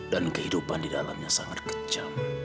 dan kehidupan di dalamnya sangat kejam